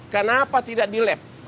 kenapa tidak di lab